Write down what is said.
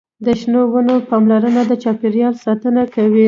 د شنو ونو پاملرنه د چاپیریال ساتنه کوي.